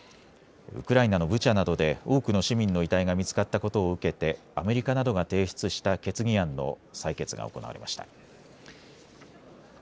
ウクライナのブチャなどで多くの市民の遺体が見つかったことを受けてアメリカなどが提出した決議案の採決が行われました。